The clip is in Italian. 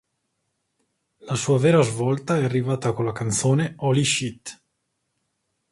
La sua vera svolta è arrivata con la canzone "Holy Shit".